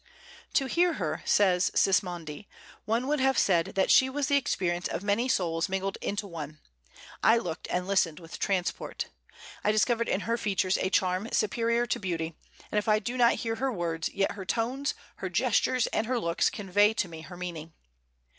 "To hear her," says Sismondi, "one would have said that she was the experience of many souls mingled into one, I looked and listened with transport. I discovered in her features a charm superior to beauty; and if I do not hear her words, yet her tones, her gestures, and her looks convey to me her meaning."